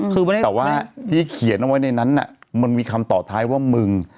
คือไม่ได้แต่ว่าที่เขียนเอาไว้ในนั้นมันมีคำต่อท้ายว่ามึง